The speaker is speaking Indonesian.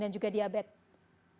dan juga diabetes